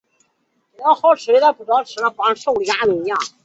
积体电路